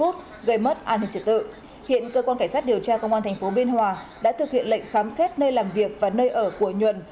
tuyên cơ quan cảnh sát điều tra công an thành phố biên hòa đã thực hiện lệnh khám xét nơi làm việc và nơi ở của nhuận